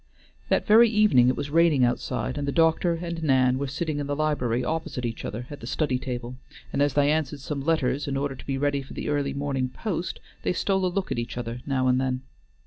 That very evening it was raining outside, and the doctor and Nan were sitting in the library opposite each other at the study table, and as they answered some letters in order to be ready for the early morning post, they stole a look at each other now and then.